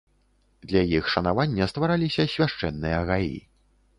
Для іх шанавання ствараліся свяшчэнныя гаі.